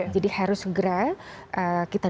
jadi harus segera kita